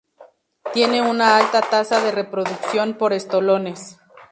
Tiene una alta tasa de reproducción por estolones.